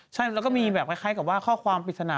ใช่แล้วก็มีแบบคล้ายกับว่าข้อความปริศนา